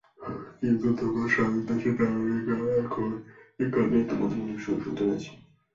কিন্তু তোমরা স্বাধীন দেশের নাগরিক এবং এখন এখানে তোমাদের অনেক সুযোগসুবিধা রয়েছে।